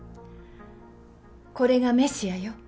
これがメシアよ。